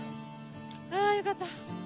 あよかった。